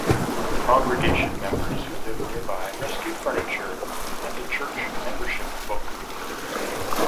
Congregation members who lived nearby rescued furniture and the church membership book.